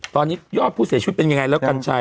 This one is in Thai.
ตอนนี้ยอดผู้เสียชีวิตเป็นยังไงแล้วกัญชัย